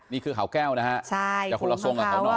นี่คือข่าวแก้วนะครับจะคุณลักษณ์ลงค่ะข้าวหน่อ